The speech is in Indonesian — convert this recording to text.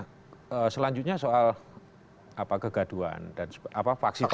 nah selanjutnya soal kegaduan dan apa faksi faksi tadi